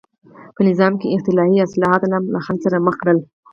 په نظام کې احتلي اصلاحات هم له خنډ سره مخ کړل.